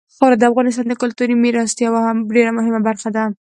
خاوره د افغانستان د کلتوري میراث یوه ډېره مهمه برخه ده.